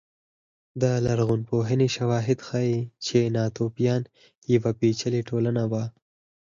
د لرغونپوهنې شواهد ښيي چې ناتوفیان یوه پېچلې ټولنه وه